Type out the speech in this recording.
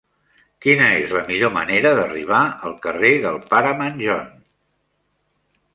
Quina és la millor manera d'arribar al carrer del Pare Manjón?